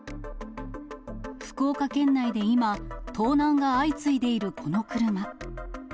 福岡県内で今、盗難が相次いでいるこの車。